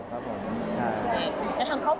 แล้วทางครอบครัวบ้างให้กำลังใจน้องเจนอย่างไรบ้างค่ะ